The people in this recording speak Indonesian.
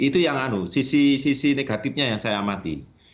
itu yang anu sisi negatifnya yang saya amati